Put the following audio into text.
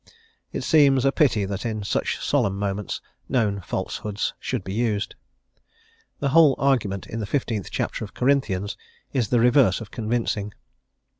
It seems a pity that in such solemn moments known falsehoods should be used. The whole argument in the 15th ch of Corinthians is the reverse of convincing.